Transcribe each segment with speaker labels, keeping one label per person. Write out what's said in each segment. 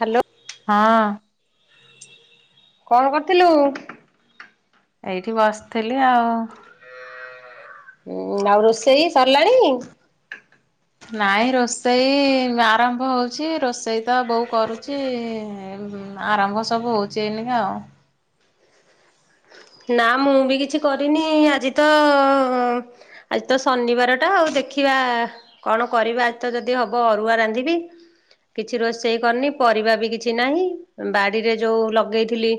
Speaker 1: Hello.
Speaker 2: ହଁ
Speaker 1: କଣ କରିଥିଲୁ?
Speaker 2: ଏଇଠି ବସିଥିଲି ଆଉ।
Speaker 1: ହୁଁ ଆଉ ରୋଷେଇ ସରିଲାଣି?
Speaker 2: ନାଇଁ ରୋଷେଇ ଆରମ୍ଭ ହଉଚି। ରୋଷେଇ ତ ବୋଉ କରୁ ଯେ ଆରମ୍ଭ ସବୁ ହଉଚି ଏଇନେକା ଆଉ।
Speaker 1: ନା ମୁଁ ବି କିଛି କରିନି ଆଜି ତ। ଆଜି ତ ଶନିବାର ଟା ଆଉ ଦେଖିବା। କଣ କରିବା ଆଜି ତ ଯଦି ହବ ଅରୁଆ ରାନ୍ଧିବି। କିଛି ରୋଷେଇ କରିନି ପରିବା ବି କିଛି ନାହିଁ ବାଡ଼ିରେ ଯୋଉ ଲଗେଇଥିଲି।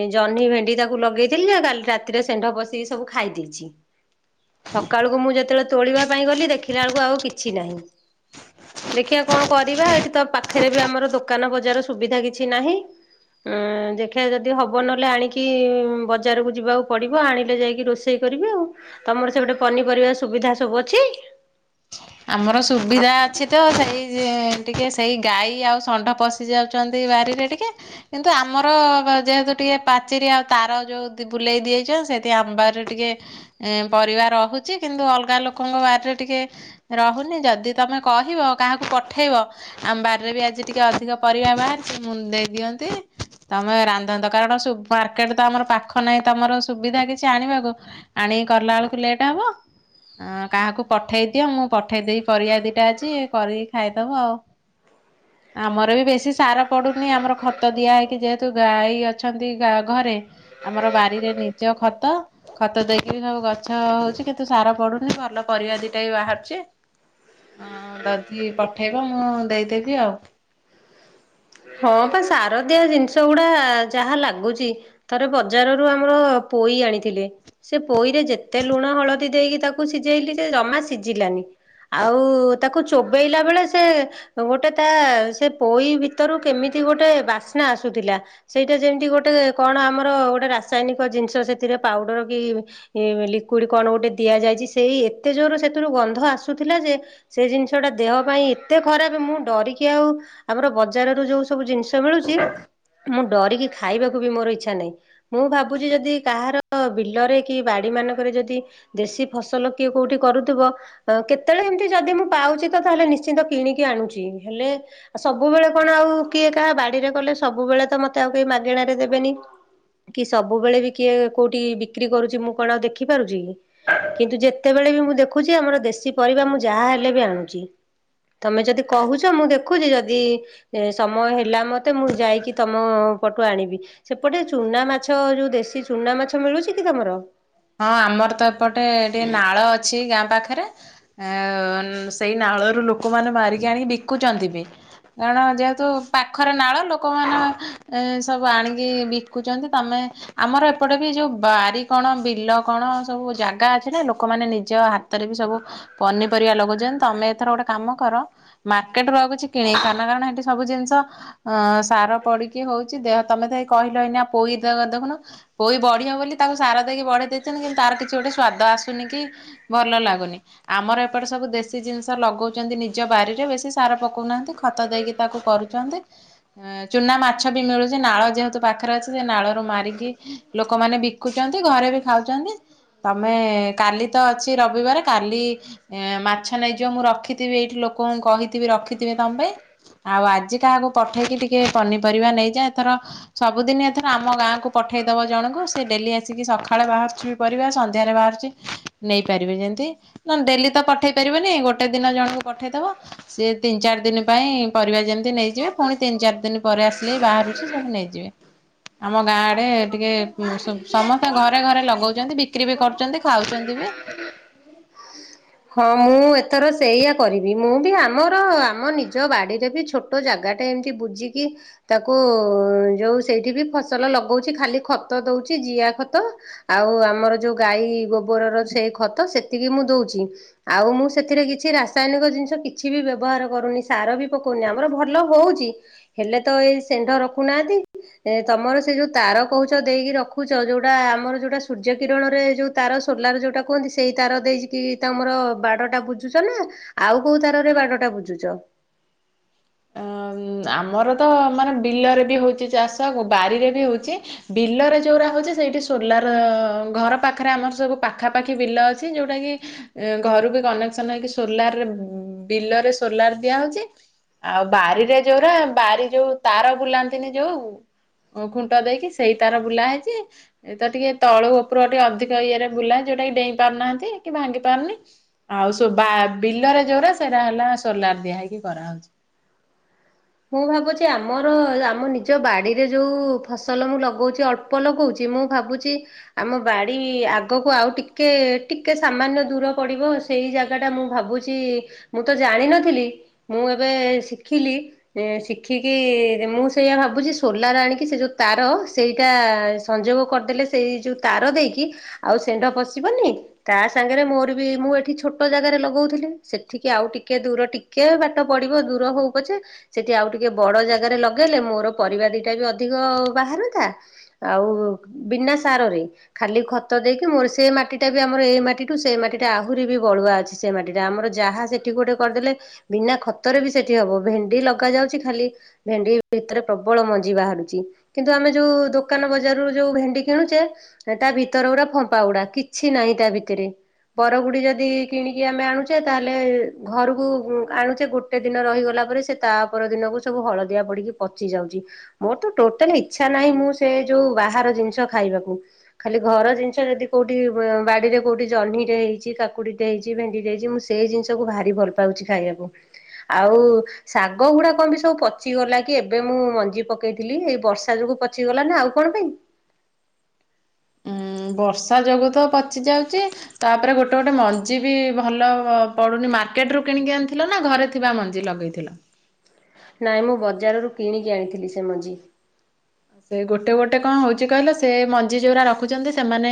Speaker 1: ଏ ଜହ୍ନି ଭେଣ୍ଡି ତାକୁ ଲଗେଇଥିଲି ଜେ କାଲି ରାତିରେ ସେଣ୍ଢ ପସିକି ସବୁ ଖାଇ ଦେଇଛି। ସକାଳୁକୁ ମୁଁ ଯେତେବେଳେ ତୋଳିବା ପାଇଁ ଗଲି ଦେଖିଲା ବୁଳୁକୁ ଆଉ କିଛି ନାହିଁ। ଦେଖିଆ କଣ କରିବା ଏଠି ତ ପାଖରେ ବି ଆମର ଦୋକାନ ବଜାର ସୁବିଧା କିଛି ନାହିଁ। ଉଁ ଦେଖିଆ ଯଦି ହବ ନହେଲେ ଆଣିକି ବଜ ବଜାରକୁ ଯିବାକୁ ପଡିବ ଆଣିଲେ ଯାଇକି ରୋଷେଇ କରିବେ ଆଉ। ତମର ସେପଟେ ପନିପରିବା ସୁବିଧା ସବୁ ଅଛି।
Speaker 2: ଆମର ସୁବିଧା ଅଛି ତ ସେଇ ଟିକିଏ ସେଇ ଗାଈ ଆଉ ଷଣ୍ଢ ପଶ ଯାଉଛନ୍ତି ବାରିରେ ଟିକେ। କିନ୍ତୁ ଆମର ଯେହେତୁ ଟିକେ ପାଚେରୀ ଆଉ ତାର ଯୋଉ ତି ବୁଲେଇ ଦେଇଚ ସେଥି ଆମ ବାରିରେ ଟିକିଏ। ଏଁ ପରିବା ରହୁଛି କିନ୍ତୁ ଅଲଗା ଲୋକଙ୍କ ବାରିରେ ଟିକେ। ରହୁନି ଯଦି ତମେ କହିବ କାହାକୁ ପଠେଇବ। ଆମ ବାରିରେ ବି ଆଜି ଟିକେ ଅଧିକ ପରିବା ବାହାରିଛି ମୁଁ ଦେଇ ଦିଅନ୍ତି। ତମେ ରାନ୍ଧନ୍ତ କାରଣ ସୁ ମାର୍କେଟ ତ ଆମର ପାଖ ନାହିଁ ତମର ସୁବିଧା କିଛି ଆଣିବାକୁ। ଆଣିକି କଲା ବେଳକୁ ଲେଟ ହବ କାହାକୁ ପଠେଇ ଦିଅ ମୁଁ ପଠେଇ ଦେବି ପରିବା ଦିଟା ଆଜି କରିକି ଖାଇଦବ ଆଉ।
Speaker 1: [unintelligible]
Speaker 2: ଆମର ବି ବେଶୀ ସାର ପଡୁନି ଆମର ଖତ ଦିଆ ହେଇକି ଯେହେତୁ ଗାଈ ଅଛନ୍ତି ଗା ଘରେ। ଆମର ବାରିରେ ନିଜ ଖତ। ଖତ ଦେଇକିରି ସବୁ ଗଛ ହଉଛି କିନ୍ତୁ ସାର ପଡୁନି ଭଲ ପରିବା ଦିଟା ବି ବାହାରୁଛି। ହଁ ଦଦି ପଠେଇବ ମୁଁ ଦେଇଦେବି ଆଉ।
Speaker 1: ହଁ ବା ସାରଦିଆ ଜିନିଷ ଗୁଡା ଯାହା ଲାଗୁଚି। ଥରେ ବଜାରରୁ ଆମର ପୋଇ ଆଣିଥିଲେ। ସେ ପୋଇରେ ଯେତେ ଲୁଣ ହଳଦୀ ଦେଇକି ତାକୁ ସିଝେଇଲି ସେ ଜମା ସିଝିଲାନି। ଆଉ ତାକୁ ଚୋବେଇଲା ବେଳେ ସେ ଗୋଟେ ତା ସେ ପୋଇ ଭି ତରୁ କେମିତି ଗୋଟେ ବାସ୍ନା ଆସୁଥିଲା। ସେଇଟା ଯେମିତି ଗୋଟେ କଣ ଆମର ଗୋଟେ ରାସାୟନିକ ଜିନିଷ ସେଥିରେ ପାଉଡର କି ଇଏ ବୋଲି କୁରୁ କଣ ଗୋଟେ ଦିଆଯାଇଛି ସେଇ ଏତେ ଜୋର ସେଥିରୁ ଗନ୍ଧ ଆସୁଥିଲା ଯେ ସେ ଜିନିଷ ଟା ଦେହ ପାଇଁ ଏତେ ଖରାପେ ମୁଁ ଡରିକି ଆଉ ଆମର ବ ଜାର ରୁ ଯୋଉ ସବୁ ଜିନିଷ ମିଳୁଛି ମୁଁ ଡରିକି ଖାଇବାକୁ ବି ମୋର ଇଚ୍ଛା ନାହିଁ। ମୁଁ ଭାବୁଛି ଯଦି କାହାର ବିଲରେ କି ବାଡି ମାନଙ୍କରେ ଯଦି। ଦେଶୀ ଫସଲ କିଏ କୋଉଠି କରୁଥୁବ ଅଁ କେତେବେଳେ ଏମତି ଯଦି ମୁଁ ପାଉଛି ତ ତାହେଲେ ନିଶ୍ଚିନ୍ତ କିଣିକି ଆଣୁଛି ହେଲେ ସବୁବେଳେ। କଣ ଆଉ କିଏ କାହା ବାଡିରେ କଲେ ସବୁବେଳେ ତ ମତେ ଆଉ କେହି ମାଗେଣାରେ ଦେବେନି। କି ସବୁବେଳେ ବି କିଏ କୋଉଠି ବିକ୍ରି କରୁଚି ମୁଁ କଣ ଆଉ ଦେଖି ପାରୁଚି କି। କିନ୍ତୁ ଯେତେବେଳେ ବି ମୁଁ ଦେଖୁଚି ଆମର ଦେଶୀ ପରିବା ମୁଁ ଯାହା ହେଲେ ବି ଆଣୁଚି। ତମେ ଯଦି କହୁଚ ମୁଁ ଦେଖୁଛି ଯଦି ଏ ସମୟ ହେଲା ମତେ ମୁଁ ଯାଇକି ତମ ପଟୁ ଆଣିବି। ସେପଟେ ଚୁନା ମାଛ ଯୋଉ ଦେଶୀ ଚୁନା ମାଛ ମିଳୁଛି କି ତମର।
Speaker 2: ହଁ ଆମର ତ ଏପଟେ ଟିକେ ନାଳ ଅଛି ଗାଁ ପାଖେରେ। ଆ ସେଇ ନାଳରୁ ଲୋକମାନେ ମାରିକି ଆଣିକି ବିକୁଛନ୍ତି ବି। କାରଣ ଯେହେତୁ ପାଖରେ ନାଳ ଲୋକମାନେ ଏ ସବୁ ଆଣିକି ବିକୁଚନ୍ତି, ତୋମେ ଆମର ଏପଟେ ବି ଯୋଉ ବାରି କଣ ବି ବିଲ କଣ ସବୁ ଜାଗା ଅଛି ନା ଲୋକମାନେ ନିଜ ହାତରେ ବି ସବୁ ପନିପରିବା ଲଗଉଚନ୍ତି। ତୋମେ ଏଥର ଗୋଟେ କାମ କର, ମାର୍କେଟ୍ ରୁ ଆଉ କିଛି କିଣ ଖାଅନା, କାରଣ ସେଠି ସବୁ ଜିନିଷ ହଁ ସାର ପଡିକି ହଉଛି ଦେହ, ତୋମେ ତ ହେଇ କହିଲ ଏଇନା ପୋଇ ତକ ଦେଖୁନ ପୋଇ ବଢିବ ବୋଲି ତାକୁ ସାର ଦେଇକି ବଢେଇ ଦେଇଛନ୍ତି, କିନ୍ତୁ ତାର କିଛି ଗୋଟେ ସ୍ଵାଦ ଆସୁନି କି ଭଲ ଲାଗୁନି। ଆମର ଏପଟେ ସବୁ ଦେଶୀ ଜିନିଷ ଲଗଉଚନ୍ତି ନିଜ ବାରିରେ। ବେଶୀ ସାର ପକଉନାହାନ୍ତି ଖତ ଦେଇକି ତାକୁ କରୁ ଚନ୍ତି, ଅଁ, ଚୁନା ମାଛ ବି ମିଳୁଚି ନାଳ ଯେହେତୁ ପାଖରେ ଅଛି, ସେ ନାଳରୁ ମାରିକି ଲୋକମାନେ ବିକୁଚନ୍ତି, ଘରେ ବି ଖାଉଚନ୍ତି। ତୋମେ କାଲି ତ ଅଛି ରବିବାର କାଲି ଏଁ, ମାଛ ନେଇଯିବ ମୁଁ ରଖିଥିବି ଏଇଠି ଲୋକଙ୍କୁ କହିଥିବି ରଖିଥିବେ ତୋମ ପାଇଁ। ଆଉ ଆଜି କାହାକୁ ପଠେଇକି ଟିକେ ପନିପରିବା ନେଇଯା। ଏଥର ସବୁଦିନି ଏଥର ଆମ ଗାଁକୁ ପଠେଇ ଦବ ଜଣଙ୍କୁ, ସେ ଡେଲି ଆସିକି ସଖା ଖାଳେ ବାହାରୁଛି ବି ପରିବା, ସନ୍ଧ୍ୟାରେ ବାହାରୁଚି ନେଇପାରିବେ। ଯେମିତି ନା ଡେଲି ତ ପଠେଇ ପାରିବନି ଗୋଟେ ଦିନ ଜଣଙ୍କୁ ପଠେଇଦବ। ସିଏ ତିନ ଚାରି ଦିନ ପାଇଁ ପରିବା ଯେମିତି ନେଇଯିବେ, ପୁଣି ତିନ ଚାରି ଦିନ ପରେ ଆସିଲେ ବିି ବାହାରୁଛି ସବୁ ନେଇଯିବେ। ଆମ ଗାଁ ଆଡେ ଟିକେ ଉଁ, ସବ୍ ସମସ୍ତେ ଘର ରେ ଘରେ ଲଗଉଚନ୍ତି, ବିକ୍ରି ବି କରୁଚନ୍ତି, ଖାଉଚନ୍ତି ବି।
Speaker 1: ହଁ ମୁଁ ଏଥର ସେଇଆ କରିବି, ମୁଁ ବି ଆମର ଆମ ନିଜ ବାଡିରେ ବି ଛୋ ଟ ଜାଗା ଟେ ଏମିତି ବୁଜିକି। ତାକୁ ଯୋଉ ସେଇଠି ବି ଫସଲ ଲଗଉଛି ଖାଲି ଖତ ଦଉଚି ଜିଆ ଖତ। ଆଉ ଆମର ଯୋଉ ଗାଈ ଗୋବରର ସେଇ ଖତ ସେତିକି ମୁଁ ଦଉଚି। ଆଉ ମୁଁ ସେଥିରେ କିଛି ରାସାୟନିକ ଜିନିଷ କିଛି ବି ବ୍ୟବହାର କରୁନି। ସାର ବି ପକଉନି ଆମର ଭଲ ହଉଚି। ହେଲେ ତ ଏଇ ଷେଣ୍ଢ ରଖୁନାହାନ୍ତି। ଏ ତୋମର ସେ ଯୋଉ ତାର କହୁଚ ଦେଇକି ରଖୁଚ, ଯୋଉଟା ଆମର ଯୋଉଟା ସୂର୍ଯ୍ୟ କିରଣରେ ଯୋଉ ତାର ସୋଲାର ଯୋଉଟା କୁହନ୍ତି ସେଇ ତାର ଦେଇକି ତୋମର ବାଡ ଟା ବୁଜୁଚ ନା ଆଉ କୋଉ ତାରରେ ବାଡ ଟା ବୁଜୁଚ?
Speaker 2: ଅ, ଉଁ, ଆମର ତ ମାନେ ବିଲରେ ବି ହଉଚି ଚାଷ ଗ- ବାରିରେ ବି ହଉଛି। ବିଲରେ ଯୋଉରା ହଉଛି ସେଇଠି ସୋଲାର ଘର ପାଖରେ ଆମର ସବୁ ପାଖାପାଖି ବିଲ ଅଛି, ଯୋଉଟା କି ଏ ଘରୁକୁ କନେକ୍ସନ୍ ହେଇକି ସୋଲାରରେ ଉ, ବିଲରେ ସୋଲାର ଦିଆ ହଉଛି। ଆଉ ବାରିରେ ଯୋଉରା ବାରି ଯୋଉ ତାର ବୁଲାନ୍ତିନି ଯୋଉ ଓ ଖୁଣ୍ଟ ଦେଇକି ସେଇ ତାର ବୁଲା ହେଇଚି। ଏ ତ ଟିକେ ତଳୁ ଉପରୁକୁ ଟିକେ ଅଧିକ ଇଏରେ ବୁଲା ଯୋଉଟା କିି ଡେଇଁ ପାରୁନାହାନ୍ତି କି ଭାଙ୍ଗି ପାରୁନି। ଆଉ ସ- ବା-ବିଲରେ ଯୋଉଟା ସେଇଟା ହେଲା ସୋଲାର ଦିଆ ହେଇକି କରାହଉଛି।
Speaker 1: ମୁଁ ଭାବୁଛି ଆମର ଏ ଆମ ନିଜ ବାଡିରେ ଯୋଉ ଫସଲ ମୁଁ ଲଗଉଚି ଅଳ୍ ପ ନଗଉଚି ମୁଁ ଭାବୁଛି ଆମ ବାଡି ଆଗକୁ ଆଉ ଟିକେ ଟିକେ ସାମାନ୍ୟ ଦୂର ପଡିବ ସେଇ ଜାଗା ଟା ମୁଁ ଭାବୁଛି ମୁଁ ତ ଜାଣିନଥିଲି ମୁଁ ଏବେ ଶିଖିଲି। ଏ ଶିଖିକି ରେ-ମୁଁ ସେଇଆ ଭାବୁଛି ସୋଲାର ଆଣିକି ସେ ଯୋଉ ତାର ସେଇଟା ସଂଯୋଗ କରିଦେଲେ ସେଇ ଯୋଉ ତାର ଦେଇକି ଆଉ ଷେଣ୍ଢ ପଶିବନି। ତା ସାଙ୍ଗରେ ମୋର ବି ମୁଁ ଏଠି ଛୋଟ ଜାଗାରେ ଲଗଉଥିଲି। ସେଠିକି ଆଉ ଟିକେ ଦୂର ଟି କେ ବାଟ ପଡିବ ଦୂର ହଉ ପଛେ ସେଠି ଆଉ ଟିକେ ବଡ ଜାଗାରେ ଲଗେଇଲେ ମୋର ପରିବା ଦିଟା ବି ଅଧିକ ବାହାରୁଥା। ଆଉ ବିନା ସାରରେ। ଖାଲି ଖତ ଦେଇକି ମୋର ସେଇ ମାଟି ଟା ବି ଆମର ଏଇ ମାଟିଠୁ ସେଇ ମାଟି ଟା ଆହୁରି ବି ବଳୁଆ ଅଛି। ସେ ମାଟି ଟା ଆମର ଯାହା ସେଠି ଗୋଟେ କରିଦେଲେ ବିନା ଖତରେ ବି ସେଠି ହବ ଭେଣ୍ଡି ଲ ପକା ଯାଉଚି ଖାଲି ଭେଣ୍ଡି ଭିତରେ ପ୍ରବଳ ମଞ୍ଜି ବାହାରୁଚି। କିନ୍ତୁ ଆମେ ଯୋଉ ଦୋକାନ ବଜାରରୁ ଯୋଉ ଭେଣ୍ଡି କିଣୁଚେ ହେଟା ଭିତର ଗୁଡା ଫମ୍ପା ଗୁଡା କିଛି ନାହିଁ ତା ଭିତରେ ବରଗୁଡି ଯଦି କିଣିକି ଆମେ ଆଣୁଚେ ତାହେଲେ ଘରକୁ ଆଣୁଚେ ଗୋଟେ ଦିନ ରହିଗଲା ପରେ ସେ ତାପର ଦିନକୁ ସବୁ ହଳଦିଆ ପଡିକି ପଚି ଯାଉଚି। ମୋର ତ ଟୋଟାଲି ଇଚ୍ଛା ନାହିଁ ମୁଁ ସେ ଯୋଉ ବାହାର ଜିନିଷ ଖାଇବାକୁ। ଖାଲି ଘର ଜିନିଷ ଯଦି କୋଉଠି ବାଡିରେ କୋଉଠି ଜହ୍ନିଟେ ହେଇଚି କାକୁଡିଟେ ହେଇଚି ଭେଣ୍ଡିଟ ହେଇଚି ମୁଁ ସେଇ ଜିନିଷକୁୁ ଭାରି ଭଲ ପାଉଚି ଖାଇବାକୁ ଆଉ ଶାଗ ଗୁଡା କଂପାଇଁ ସବୁ ପଚିଗଲା କି ଏବେ ମୁଁ ମଞ୍ଜି ପକେଇଥିଲି। ଏଇ ବର୍ଷା ଯୋଗୁ ପଚିଗଲା ନା ଆଉ କଣ ପାଇଁ?
Speaker 2: ଉଁ ବର୍ଷା ଯୋଗୁ ତ ପଚି ଯାଉଚି ତାପରେ ଗୋଟେ ଗୋଟେ ମଞ୍ଜି ବି ଭଲ ପଡୁନି। ମାର୍କେଟରୁ କିଣିକି ଆଣିଥିଲ ନା ଘରେ ଥିବା ମଞ୍ଜି ଲଗେଇଥିଲ?
Speaker 1: ନାଇଁ ମୁଁ ବଜାରରୁ କିଣିକି ଆଣିଥିଲି ସେ ମଞ୍ଜି।
Speaker 2: ସେ ଗୋଟେ ଗୋଟେ କଣ ହୋଉଚି କହିଲ ସେ ମଞ୍ଜି ଯୋଉରା ରଖୁଚନ୍ତି। ସେମାନେ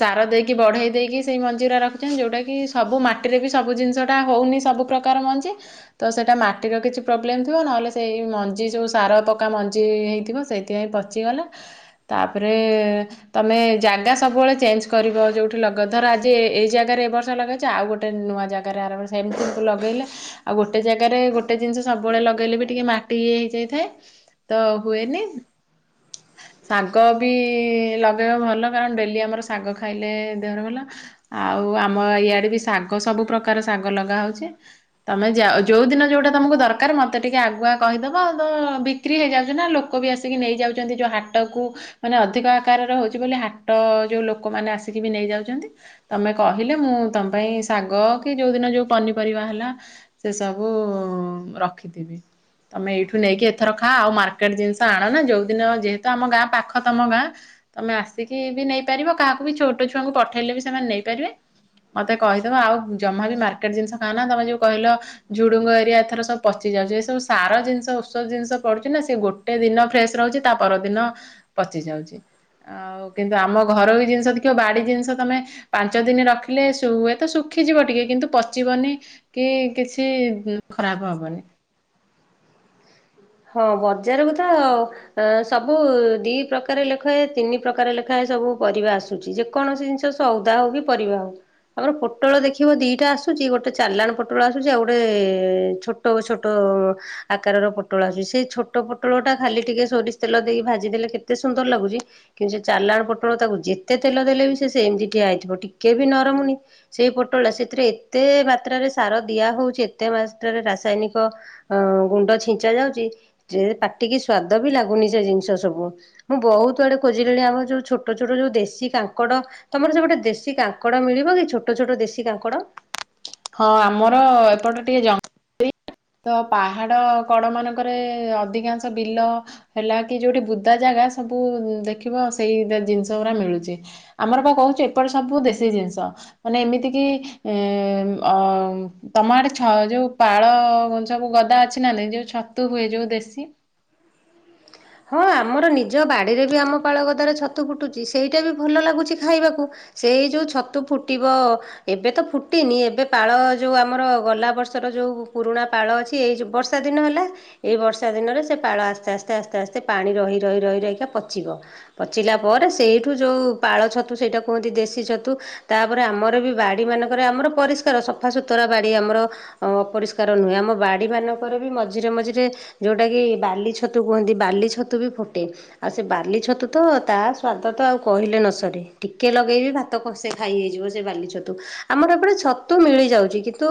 Speaker 2: ସାର ଦେଇକି ବଢେଇ ଦେଇକି ସେଇ ମଞ୍ଜିଉରା ରଖୁଚନ୍ ଯୋଉଟା କି ସବୁ ମାଟିରେ ବି ସବୁ ଜିନିଷଟା ହୋଉନି ସବୁ ପ୍ର କାର ମଞ୍ଜି। ତ ସେଇଟା ମାଟିର କିଛି ପ୍ରୋବ୍ଲେମ୍ ଥିବ ନହେଲେ ସେଇ ମଞ୍ଜି ଯେଉଁ ସାର ପକ୍କା ମଞ୍ଜି ହେଇଥିବ ସେ ଇଥିପାଇଁ ପଚିଗଲା ତାପରେ ତମେ ଜାଗା ସବୁବେଳେ ଚେଞ୍ଜ କରିବ ଯୋଉଠି ଲଗ ଧର ଆଜି ଏ-ଏଇ ଜାଗାରେ ଏ ବର୍ଷ ଲଗେଇଚ ଆଉ ଗୋଟେ ନୂଆ ଜା ଗାରେ ଆର ବର୍ଷ ଏମିତି [unintelligible] ଲଗେଇଲେ ଆଉ ଗୋଟେ ଜାଗାରେ ଗୋଟେ ଜିନିଷ ସବୁବେଳେ ଲଗେଇଲେ ବି ଟିକେ ମାଟି ଇଏ ହେଇଯାଇଥାଏ ତ ହୁଏନି। ଶାଗ ବି ଲଗାଇବ ଭଲ କାରଣ ଡେଲି ଆମର ଶାଗ ଖାଇଲେ ଦେହରେ ଭଲ। ଆଉ ଆମ ଇଆଡେ ବି ଶାଗ ସବୁ ପ୍ରକାର ଶାଗ ଲଗା ହୋଉଚି। ତମେ ଯାଅ ଯୋଉ ଦିନ ଯୋଉଟା ତମକୁ ଦରକାର ମତେ ଟିକେ ଆଗୁଆ କହିଦବ ତ ବିକ୍ରି ହେଇଯାଉଚି ନା ଲୋକ ବି ଆ ସିକି ନେଇଯାଉଚନ୍ତି ଯୋଉ ହାଟକୁ ମାନେ ଅଧିକ ଆକାରରେ ହୋଉଚି ବୋଲି ହାଟ ଯୋଉ ଲୋକମାନେ ଆସିକି ବି ନେଇଯାଉଚନ୍ତି। ତମେ କହିଲେ ମୁଁ ତମ ପାଇଁ ଶାଗ କି ଯୋଉ ଦିନ ଯୋଉ ପନିପରିବା ହେଲା ସେ ସବୁ ରଖିଥିବି ତମେ ଏଇଠୁ ନେଇକି ଏଥର ଖା ଆଉ ମାର୍କେଟ ଜିନି ତ ଆଣ ନା ଯୋଉଦିନ ଯେହେତୁ ଆମ ଗାଁ ପାଖ ତମ ଗାଁ। ତମେ ଆସିକି ବି ନେଇପାରିବ କାହାକୁ ବି ଛୋଟ ଛୁଆଙ୍କୁ ପଠେଇଲେ ବି ସେମାନେ ନେଇପାରିବେ। ମତେ କହିଦବ ଆଉ ଜମା ବି ମାର୍କେଟ ଜିନିଷ ଖାଅନା। ତମେ ଯୋଉ କହିଲ ଝୁଡୁଙ୍ଗ ହେରିକା ଏଥର ସବୁ ପଚି ଯାଉଚି। ଏ ସବୁ ସାର ଜିନିଷ ଔଷଧ ଜିନିଷ ପଡୁଚି ନା ସେ ଗୋ ଟେ ଦିନ ଫ୍ରେସ୍ ରହୁଚି ତା ପରଦିନ ପଚି ଯାଉଚି। ଆଉ କିନ୍ତୁ ଆମ ଘରୋଇ ଜିନିଷ ଦେଖିବ ବାଡି ଜିନିଷ ତମେ ପାଞ୍ଚ ଦିନ ରଖିଲେ ସୁ ହୁଏ ତ ଶୁଖିଯିବ ଟିକେ କିନ୍ତୁ ପଚିବନି କି କିଛି ଖରାପ ହବନି।
Speaker 1: ହଁ ବଜାରକୁ ତ ଏଁ ସବୁ ଦି ପ୍ରକାର ଲେଖାଏ ତିନି ପ୍ରକାର ଲେଖାଏ ସବୁ ପରିବା ଆସୁଚି ଯେ କୌଣସି ଜିନିଷ ସୋଉଦା ହୋଉ କି ପରିବା ହୋଉ। ଆମର ପୋଟଳ ଦେଖିବୁ ଦିଟା ଆସୁଚି ଗୋଟେ ଚାଲାଣ ପୋଟଳ ଆସୁଚିକ ଆଉ ଗୋଟେ ଛୋ ଟ ଛୋଟ ଆକାରର ପୋ ଟଳ ଆସୁଚି ସେଇ ଛୋଟ ପୋଟଳଟା ଖାଲି ଟିକେ ସୋରିଷ ତଲ ଦେଇକି ଭାଜି ଦେଲେ କେତେ ସୁନ୍ଦର ଲାଗୁଚି। କିନ୍ତୁ ସେ ଚାଲାଣ ପୋଟଳ ତାକୁ ଯେତେ ତେଲ ଦେଲେ ବି ସେ ସେମିତି ଠିଆ ହେଇଥିବ ଟିକେ ବି ନରମୁନି। ସେଇ ପୋଟଳ ସେଥିରେ ଏତେ ମାତ୍ରାରେ ସାର ଦିଆ ହଉଛି ଏତେ ମାଷ୍ଟାରେ ରାସାୟନିକ ଅ ଗୁଣ୍ଡ ଛିଞ୍ଚା ଯାଉଚି ଯେ ପାଟିକି ସ୍ଵାଦ ବି ଲାଗୁନି ସେ ଜିନିଷ ସବୁ। ମୁଁ ବହୁତ୍ ଆଡେ ଖୋଜିଲି ଆମ ଯୋଉ ଛୋଟ ଛୋଟ ଯୋଉ ଦେଶୀ କାଙ୍କଡ ତମର ସେପଟେ ଦେଶୀ କାଙ୍କଡ ମିଳିବ କି ଛୋଟ ଛୋଟ ଦେଶୀ କାଙ୍କଡ?
Speaker 2: ହଁ ଆମର ଏପଟେ ଟିକେ ଜ ତ ପାହାଡ଼ କଡ଼ ମାନଙ୍କରେ ଅଧିକାଂଶ ବିଲ ହେଲା କି ଯୋଉଠି ବୁଦା ଜାଗା ସବୁ ଦେଖିବ ସେଇ ଦା ଜିନିଷ ପୁରା ମିଳୁଛି। ଆମର ବା କହୁଛି ଏପଟେ ସବୁ ଦେଶୀ ଜିନିଷ। ମାନେ ଏମିତି କିି ଏ ଅ ତମ ଆଡେ ଛ ଯୋଉ ପାଳ କ ସବୁ ଗଦା ଅଛି ନା ନାଇଁ ଯୋଉ ଛତୁ ହୁଏ ଯୋଉ ଦେଶୀ।
Speaker 1: ହଁ ଆମର ନିଜ ବାଡ଼ିରେ ବି ଆମ ପାଳଗଦାରେ ଛତୁ ଫୁଟୁଛି ସେଇଟା ବି ଭଲ ଲାଗୁଛି ଖାଇବାକୁ। ସେଇ ଯୋଉ ଛତୁ ଫୁଟିବ ଏବେ ତ ଫୁଟିନି ଏବେ ପାଳ ଯୋଉ ଆମର ଗଲା ବର୍ଷର ଯୋଉ ପୁରୁଣା ପାଳ ଅଛି ଏଇ ଯୋଉ ବର୍ଷ ଶା ଦିନ ହେଲା ଏଇ ବର୍ଷା ଦିନରେ ସେ ପାଳ ଆସ୍ତେ ଆସ୍ତେ ଆସ୍ତେ ଆସ୍ତେ ସେ ପାଣି ରହି ରହି ରହି ରହିକା ପଚିବ। ପଚିଲା ପରେ ସେଇଠୁ ଯୋଉ ପାଳ ଛତୁ ସେଇଟା କୁହନ୍ତି ଦେଶୀ ଛତୁ ତାପରେ ଆମର ବି ବାଡି ମାନଙ୍କରେ ଆମର ପରିଷ୍କାର ସଫାସୁତୁରା ବାଡି ଆମର ଅପରିଷ୍କାର ନୁହେଁ ଆମ ବାଡି ମାନଙ୍କରେ ବି ମଝିରେ ମଝିରେ ଯୋଉଟା କିି ବାଲି ଛତୁ କୁହନ୍ତି ବାଲି ଛତୁ ବି ଫୁଟେ। ଆଉ ସେ ବାର୍ଲି ଛତୁ ତ ତା ସ୍ଵାଦ ତ ଆଉ କହିଲେ ନସରେ ଟିକେ ଲଗେଇବି ଭା ତ କଂସେ ଖାଇ ହେଇଯିବ ସେ ବାଲି ଛତୁ, ଆମର ଏପଟେ ଛତୁ ମିଳିଯାଉଛି, କିନ୍ତୁ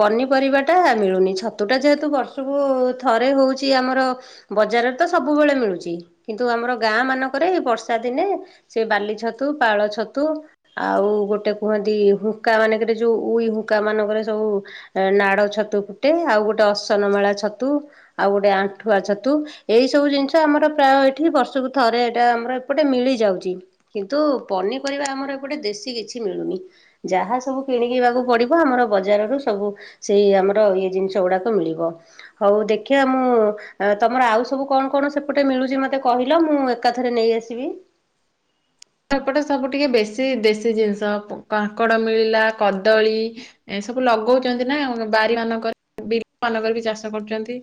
Speaker 1: ପନିପରିବାଟା ମିଳୁନି ଛତୁଟା ଯେହେତୁ ବର୍ଷକୁ ଥରେ ହଉଛି ଆମର ବଜାରରେ ତ ସବୁବେଳେ ମିଳୁଛି କିନ୍ତୁ ଆମର ଗାଁ ମାନଙ୍କରେ ଏଇ ବର୍ଷା ଦିନେ ସେଇ ବାଲି ଛତୁ, ପାଳ ଛତୁ ଆଉ ଗୋଟେ କୁହନ୍ତି ହୁଙ୍କା ମାନଙ୍କରେ ଯୋଉ ଉଇ ହୁଙ୍କା ମାନଙ୍କରେ ସବୁ ନାଡ ଛତୁ ଫୁଟେ, ଆଉ ଗୋଟେ ଅସନମାଳା ଛତୁ, ଆଉ ଗୋଟେ ଆଣ୍ଠୁଆ ଛତୁ ଏଇ ସବୁ ଜିନିଷ ଆମର ପ୍ରାୟ ଏଠି ବର୍ଷକୁ ଥରେ ଏଇଟା ଆମର ଏପଟେ ମିଳିଯାଉଚି। କିନ୍ତୁ ପନିପରିବା ଆମର ଏପଟେ ଦେଶୀ କିଛି ମିଳୁନି। ଯାହା ସବୁ କିଣିକିିବାକୁ ପଡିବ ଆମର ବଜାରରୁ ସବୁ ସେଇ ଆମର ଇଏ ଜିନିଷ ଗୁଡାକ ମିଳିବ, ହଉ ଦେଖିବା ମୁଁ ତମର ଆଉ ସବୁ କଣ କଣ ସେପଟେ ମିଳୁଛି ମତେ କହିଲ, ମୁଁ ଏକାଥରେ ନେଇ ଆସିବି।
Speaker 2: ଏପଟେ ସବୁ ଟିକେ ବେଶୀ ଦେଶୀ ଜିନିଷ କାଙ୍କଡ଼ ମିଳିଲା, କଦଳୀ ଏ ସବୁ ଲଗଉଚନ୍ତି ନା ବାରି ମାନଙ୍କରେ ବିଲ ମାନଙ୍କରେ ବି ଚାଷ କରୁଚନ୍ତି।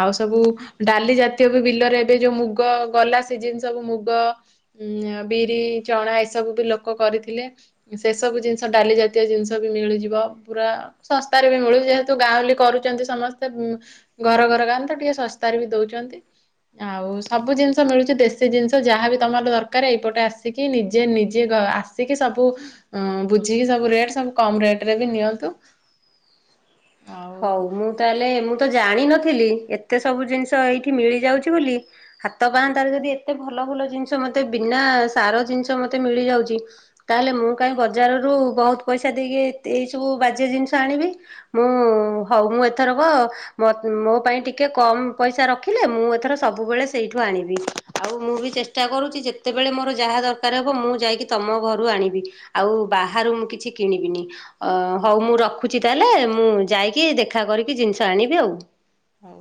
Speaker 2: ଆଉ ସବୁ ଡାଲି ଜାତୀୟ ବି ବିଲରେ ଏବେ ଯୋଉ ମୁଗ ଗଲା ସିଜିନ୍ ସବୁ ମୁଗ ଉଁ ବିରି, ଚଣା ଏସବୁ ବି ଲୋକ କରିଥିଲେ। ସେ ସବୁ ଜିନିଷ ଡାଲି ଜାତୀୟ ଜିନିଷ ବି ମିଳିଯିବ ପୁରା। ଶସ୍ତାରେ ବି ମିଳୁଛି ଯେହେତୁ ଗାଁଉଲି କରୁଛନ୍ତି ସମସ୍ତେ ଉଁ ଘର ଘର ଗାଁ ତ ଟିକେ ଶସ୍ତାରେ ବି ଦଉଛନ୍ତି। ଆଉ ସବୁ ଜିନିଷ ମିଳୁଛି ଦେଶୀ ଜିନିଷ ଯାହାବି ତମର ଦରକାର ଏଇ ଏପଟେ ଆସିକି ନିଜେ ନିଜେ ଆସିକି ସବୁ ଅଁ ବୁଝିକି ସବୁ ରେଟ ସବୁ କମ ରେଟ ରେ ବି ନିଅନ୍ତୁ। ଆଉ
Speaker 1: ହଉ ମୁଁ ତାହେଲେ ମୁଁ ତ ଜାଣିନଥିଲି ଏତେ ସବୁ ଜିନିଷ ଏଇଠି ମିଳି ଯାଉଛି ବୋଲି ହାତ ପାଆନ୍ତାର ଯଦି ଏତେ ଭଲ ଭଲ ଜିନିଷ ମତେ ବିନା ସାର ଜିନିଷ ମତେ ମିଳିଯାଉଛି। ତାହେଲେ ମୁଁ କାହିଁ ବଜାରରୁ ବହୁତ ପଇସା ଦେଇକି ଏଇସବୁ ବାଜେ ଜିନିଷ ଆଣିବି। ମୁଁ ହଉ, ମୁଁ ଏଥର କ ମ ମୋ ପାଇଁ ଟିକେ କମ୍ ପଇସା ରଖିଲେ, ମୁଁ ଏଥର ସବୁବେଳେ ସେଇଠୁ ଆଣିବି। ଆଉ ମୁଁ ବି ଚେଷ୍ଟା କରୁଛି, ଯେତେବେଳେ ମୋର ଯାହା ଦରକାର ହବ, ମୁଁ ଯାଇକି ତମ ଘରୁ ଆଣିବି। ଆଉ ବାହାରୁ ମୁଁ କିଛି କିଣିବିନି। ଅ, ହଉ, ମୁଁ ରଖୁଛି, ତାହେଲେ ମୁଁ ଯାଇକି କି ଦେଖା କରିକି ଜିନିଷ ଆଣିବି ଆଉ।
Speaker 2: ହୁଁ।